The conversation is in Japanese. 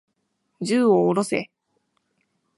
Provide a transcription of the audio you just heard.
銃を下ろせ。